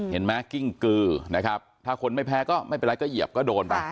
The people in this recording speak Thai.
เห็นไหมกิ้งกือนะครับถ้าคนไม่แพ้ก็ไม่เป็นไรก็เหยียบก็โดนไป